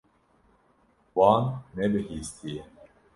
Wan nebihîstiye.